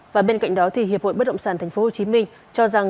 và bên cạnh đó hiệp hội bất động sản tp hcm cho rằng